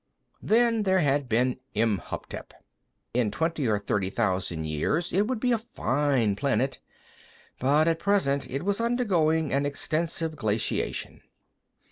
Then there had been Imhotep; in twenty or thirty thousand years, it would be a fine planet, but at present it was undergoing an extensive glaciation.